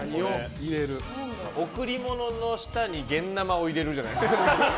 贈り物の下に現ナマを入れるじゃないですか。